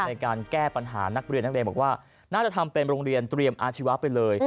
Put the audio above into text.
ในการแก้ปัญหานักเรียนนักเรียนบอกว่าน่าจะทำเป็นโรงเรียนเตรียมอาชีวะไปเลย